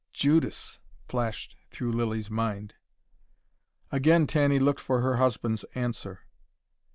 "Judas!" flashed through Lilly's mind. Again Tanny looked for her husband's answer.